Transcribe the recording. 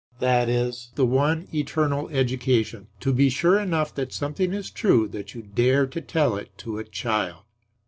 That is the one eternal education; to be sure enough that something is true that you dare to tell it to a child.